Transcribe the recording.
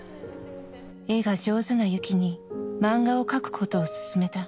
絵が上手な由紀に漫画を描くことを勧めた。